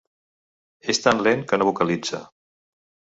És tan lent que no vocalitza.